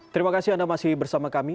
terima kasih anda masih bersama kami